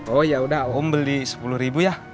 oh yaudah om beli sepuluh ribu ya